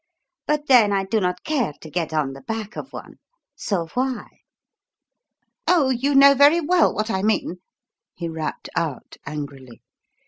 But then I do not care to get on the back of one so why?" "Oh, you know very well what I mean," he rapped out angrily.